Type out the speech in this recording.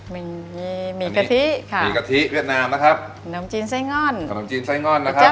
มีมีกะทิค่ะมีกะทิเวียดนามนะครับขนมจีนไส้ง่อนขนมจีนไส้ง่อนนะครับ